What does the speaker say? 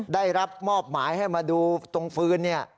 ได้รับมอบหมายให้มาดูตรงฟืนเนี่ย